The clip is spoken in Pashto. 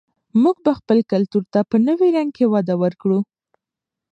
موږ به خپل کلتور ته په نوي رنګ کې وده ورکړو.